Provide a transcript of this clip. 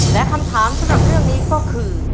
และคำถามสำหรับเรื่องนี้ก็คือ